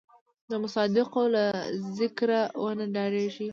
د مصادقو له ذکره ونه ډارېږي.